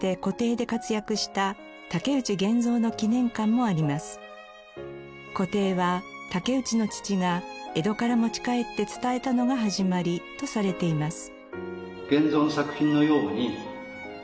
鏝絵は竹内の父が江戸から持ち帰って伝えたのが始まりとされています。